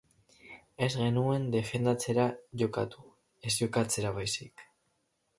Ez genuen defendatzera jokatu, ez jokatzera baizik.